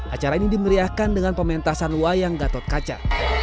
acara ini dimeriahkan dengan pementasan wayang gatot kaca